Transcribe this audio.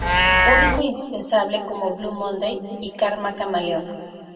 Único e indispensable como ‘Blue Monday’ y ‘Karma Chameleon’".